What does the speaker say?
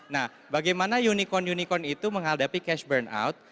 nah bagaimana unicorn unicorn itu menghadapi cash burn out